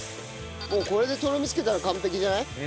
もうこれでとろみつけたら完璧じゃない？